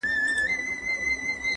هر وګړی خپل اندام دې ګرزؤمه